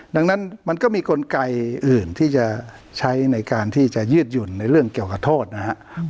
ดังนั้นมันก็มีกลไกอื่นที่จะใช้ในการที่จะยืดหยุ่นในเรื่องเกี่ยวกับโทษนะครับ